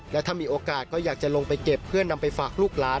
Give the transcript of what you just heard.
และถ้ามีโอกาสก็อยากจะลงไปเก็บเพื่อนำไปฝากลูกหลาน